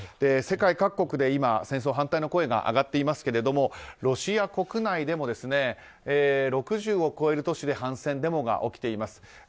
世界各国で今、戦争反対の声が上がっていますけれどもロシア国内でも６０を超える都市で反戦デモが起きています。